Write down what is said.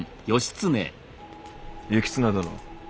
行綱殿。